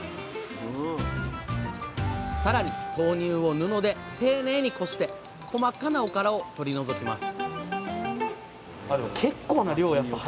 さらに豆乳を布で丁寧にこして細かなおからを取り除きます